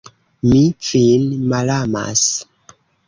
Mi vin malamas!